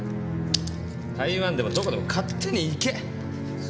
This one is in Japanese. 台湾でもどこでも勝手に行け！